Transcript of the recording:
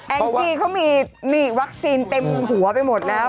แองจิ้มเขามีวัคซีนเต็มหัวไปหมดแล้ว